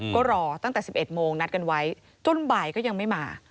ก็รอตั้งแต่๑๑โมงนัดกันไว้จนบ่ายก็ยังไม่มา